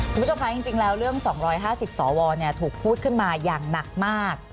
คุณผู้ชมคะจริงแล้วเรื่อง๒๕๐สวถูกพูดขึ้นมาอย่างหนักมาก